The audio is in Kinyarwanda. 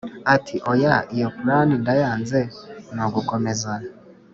ati"oya iyo plan ndayanze nugukomeza